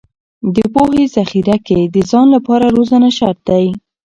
د پوهې ذخیره کې د ځان لپاره روزنه شرط دی.